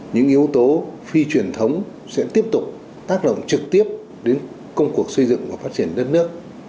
những yếu tố phi truyền thống sẽ tiếp tục tác động trực tiếp đến công cuộc xây dựng và phát triển đất nước